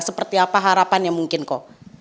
seperti apa harapan yang mungkin ko